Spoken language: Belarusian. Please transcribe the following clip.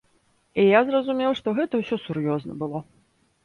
І я зразумеў, што гэта ўсё сур'ёзна было.